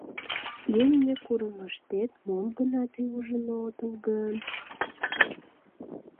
— Илыме курымыштет мом гына тый ужын отыл гын!